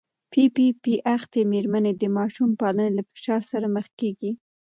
پي پي پي اخته مېرمنې د ماشوم پالنې له فشار سره مخ کېږي.